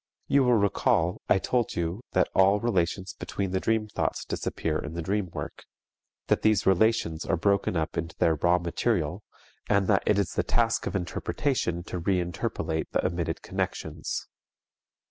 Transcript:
You will recall, I told you that all relations between the dream thoughts disappear in the dream work, that these relations are broken up into their raw material, and that it is the task of interpretation to re interpolate the omitted connections.